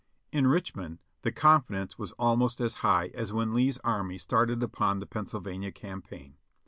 In Richmond the confidence was almost as high as when Lee's army started upon the Pennsylvania Campaign.